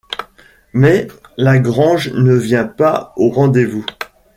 Mais Lagrange ne vient pas au rendez-vous.